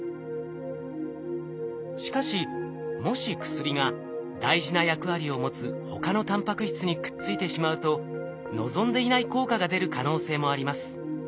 しかしもし薬が大事な役割を持つ他のタンパク質にくっついてしまうと望んでいない効果が出る可能性もあります。